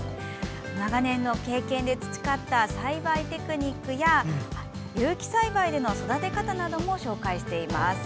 長年の経験で培った栽培テクニックや有機栽培での育て方なども紹介しています。